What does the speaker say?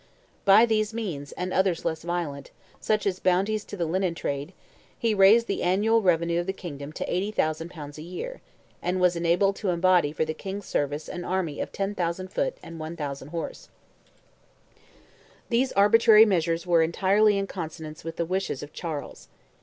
By these means, and others less violent, such as bounties to the linen trade, he raised the annual revenue of the kingdom to 80,000 pounds a year, and was enabled to embody for the King's service an army of 10,000 foot and 1,000 horse. These arbitrary measures were entirely in consonance with the wishes of Charles.